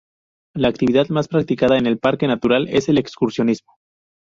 La actividad más practicada en el parque natural es el excursionismo.